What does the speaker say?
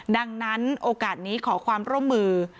ดังนั้นโอกาสนี้ขอความร่วมมือ